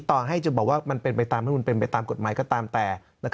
ต่อให้จะบอกว่ามันเป็นไปตามให้มันเป็นไปตามกฎหมายก็ตามแต่